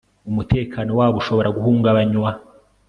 umutekano wabo ushobora guhungabanywa